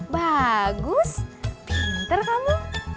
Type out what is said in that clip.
bagus pinter kamu